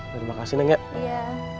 terima kasih neng ya